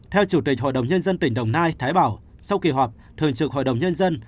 theo chủ tịch hội đồng nhân dân tỉnh đồng nai thái bảo sau kỳ họp thường trực hội đồng nhân dân